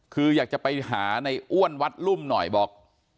คืออยากจะไปหาในอ้วนวัดรุ่มหน่อยบอก